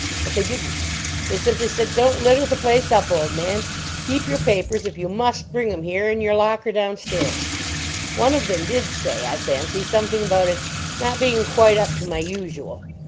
But they didn't. They simply said, "Don't litter the place up, old man. Keep your papers, if you must bring 'em here, in your locker downstairs." One of them did say, I fancy, something about its "not being quite up to my usual."